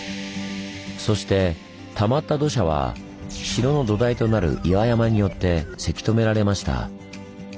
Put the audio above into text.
そしてたまった土砂は城の土台となる岩山によってせき止められました。